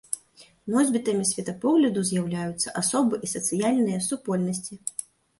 Носьбітамі светапогляду з'яўляюцца асобы і сацыяльныя супольнасці.